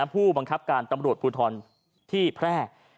ผู้บังคับการตำรวจภูทรที่แพร่